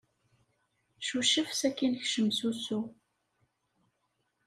Cucef sakin kcem s usu.